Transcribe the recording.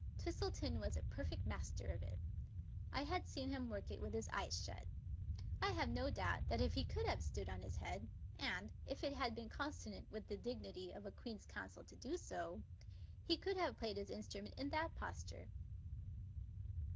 Twistleton was a per fect master of it. I had seen him work it with his eyes shut. I have no doubt that if he could have stood on his head, and if it had been consonant with the dignity of a Queen's Counsel to do so, he could have played his in strument in that posture.